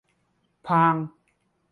ผ่าง !